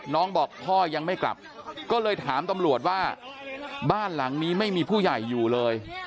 บอกพ่อยังไม่กลับก็เลยถามตำรวจว่าบ้านหลังนี้ไม่มีผู้ใหญ่อยู่เลย